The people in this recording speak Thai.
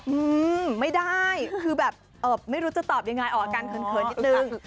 อืมไม่ได้คือแบบเอ่อไม่รู้จะตอบยังไงออกอาการเขินนิดนึง